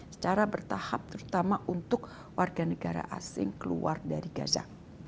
secara bertahap terutama untuk warga negara asing keluar dari gaza